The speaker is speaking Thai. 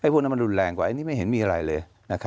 พวกนั้นมันรุนแรงกว่าอันนี้ไม่เห็นมีอะไรเลย